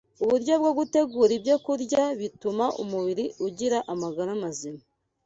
uburyo bwo gutegura ibyokurya bituma umubiri ugira amagara mazima